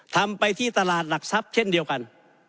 ทำไปที่ตลาดหลักทรัพย์เช่นเดียวกัน